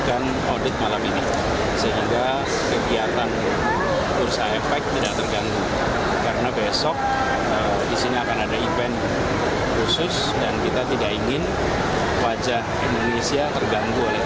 anies bursa efek indonesia